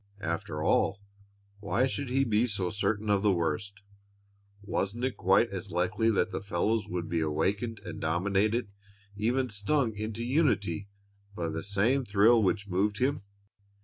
After all, why should he be so certain of the worst? Wasn't it quite as likely that the fellows would be awakened and dominated, even stung into unity, by the same thrill which moved him?